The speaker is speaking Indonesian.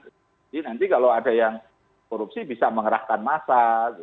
jadi nanti kalau ada yang korupsi bisa mengerahkan massa